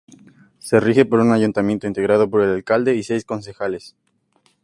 Se rige por un Ayuntamiento integrado por el alcalde y seis concejales.